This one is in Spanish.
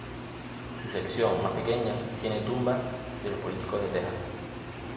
La sección más pequeña tiene tumbas de los políticos de Texas.